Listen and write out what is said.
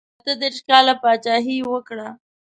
اته دېرش کاله پاچهي یې وکړه.